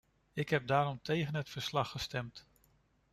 Ik heb daarom tegen het verslag gestemd.